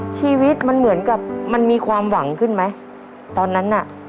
ชีวิตมันเหมือนกับมันมีความหวังขึ้นไหมตอนนั้นน่ะ